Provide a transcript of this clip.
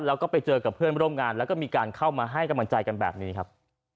แล้วก็ไปเจอกับเพื่อนร่วมงานแล้วก็มีการเข้ามาให้กำลังใจกันแบบนี้ครับ